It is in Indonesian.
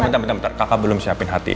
bentar bentar bentar kakak belum siapin hati